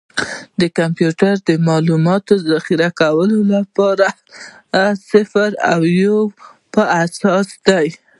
د کمپیوټر د معلوماتو ذخیره کول د صفر او یو په اساس ده.